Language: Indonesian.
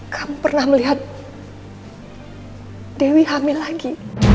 kamu pernah melihat dewi hamil lagi